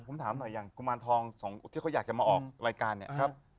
ผมถามหน่อยอย่างกุมารทองสองที่เขาอยากจะมาออกรายการเนี่ย